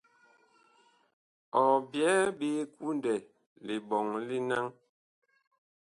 Ɔ byɛɛ ɓe kundɛ liɓɔŋ li naŋ.